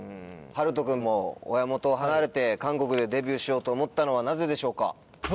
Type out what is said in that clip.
ＨＡＲＵＴＯ君も親元を離れて韓国でデビューしようと思ったのはなぜでしょうか？